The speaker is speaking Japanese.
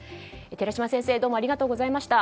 寺嶋先生どうもありがとうございました。